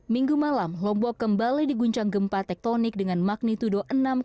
minggu malam lombok kembali diguncang gempa tektonik dengan magnitudo enam satu